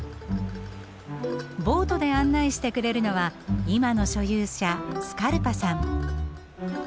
ボートで案内してくれるのは今の所有者スカルパさん。